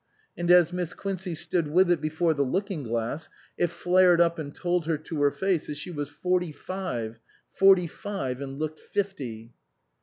And as Miss Quincey stood with it before the looking glass, it flared up and told her to her face that she was forty five forty five, and looked fifty.